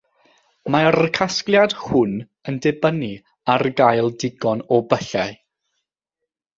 Mae'r casgliad hwn yn dibynnu ar gael digon o byllau.